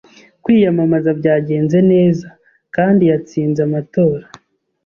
Kwiyamamaza byagenze neza kandi yatsinze amatora